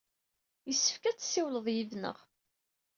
Yessefk ad tessiwled yid-neɣ.